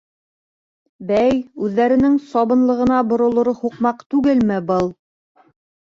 Бәй, үҙҙәренең сабынлығына боролор һуҡмаҡ түгелме был?